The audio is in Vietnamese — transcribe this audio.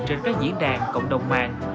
trên các diễn đàn cộng đồng mạng